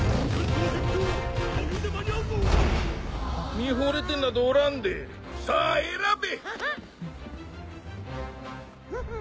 「見ほれてなどおらんでさあ選べ！」